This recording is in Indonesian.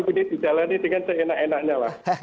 ini dijalani dengan seenak enaknya lah